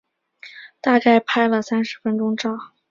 大概拍了三十分钟照